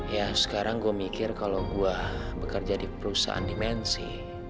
ya sekarang gue mikir kalau gue bekerja di perusahaan dimensi